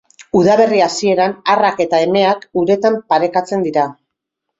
Udaberri hasieran arrak eta emeak uretan parekatzen dira.